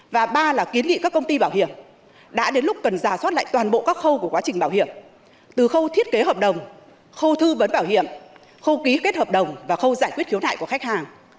và ba là kiến nghị các công ty bảo hiểm đã đến lúc cần giả soát lại toàn bộ các khâu của quá trình bảo hiểm từ khâu thiết kế hợp đồng khâu thư vấn bảo hiểm khâu ký kết hợp đồng và khâu giải quyết khiếu nại của khách hàng